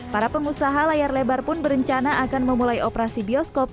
para pengusaha layar lebar pun berencana akan memulai operasi bioskop